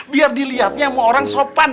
biar dilihatnya sama orang sopan